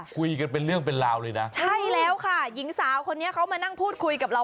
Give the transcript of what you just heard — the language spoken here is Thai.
เป็นเรื่องเป็นราวเลยนะใช่แล้วค่ะหญิงสาวคนนี้เขามานั่งพูดคุยกับเรา